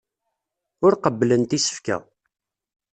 Ur qebblent isefka.